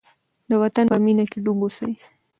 د وطن په مینه کې ډوب اوسئ.